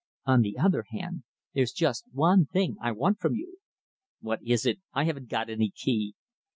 On the other hand, there's just one thing I want from you." "What is it? I haven't got any key."